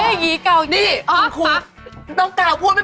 น้องเก่าพูดไม่เป็นไรครับ